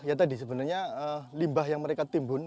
ya tadi sebenarnya limbah yang mereka timbun